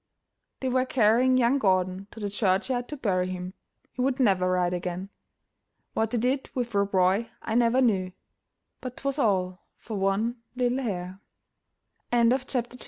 They were carrying young Gordon to the church yard to bury him. He would never ride again. What they did with Rob Roy I never knew; but 'twas all for one little hare. CHAPTER III MY